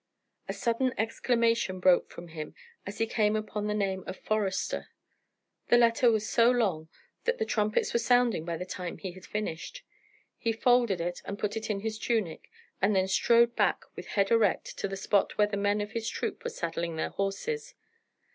A sudden exclamation broke from him as he came upon the name of Forester. The letter was so long that the trumpets were sounding by the time he had finished. He folded it and put it in his tunic, and then strode back with head erect to the spot where the men of his troop were saddling their horses.